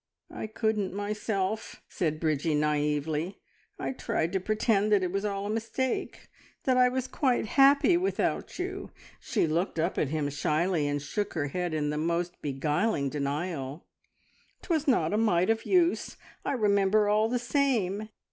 "I couldn't myself!" said Bridgie naively. "I tried to pretend that it was all a mistake, and that I was quite happy without you." She looked up at him shyly, and shook her head in the most beguiling denial. "'Twas not a mite of use. I remember all the same!